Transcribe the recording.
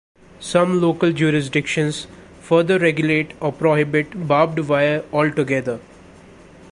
Some local jurisdictions further regulate or prohibit barbed wire altogether.